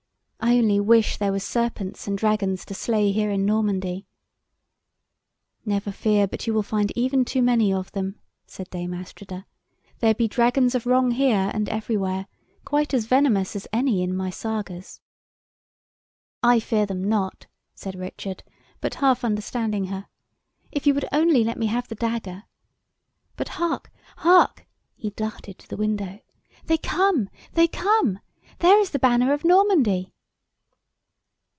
I only wish there were serpents and dragons to slay here in Normandy." "Never fear but you will find even too many of them," said Dame Astrida; "there be dragons of wrong here and everywhere, quite as venomous as any in my Sagas." "I fear them not," said Richard, but half understanding her, "if you would only let me have the dagger! But, hark! hark!" he darted to the window. "They come, they come! There is the banner of Normandy."